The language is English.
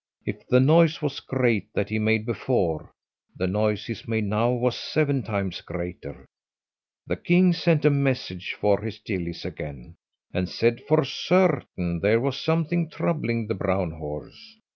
If the noise was great that he made before, the noise he made now was seven times greater. The king sent a message for his gillies again, and said for certain there was something troubling the brown horse.